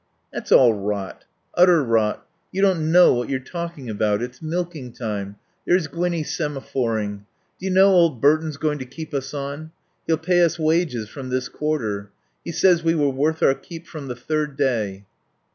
"That's all rot. Utter rot. You don't know what you're talking about.... It's milking time. There's Gwinnie semaphoring. Do you know old Burton's going to keep us on? He'll pay us wages from this quarter. He says we were worth our keep from the third day."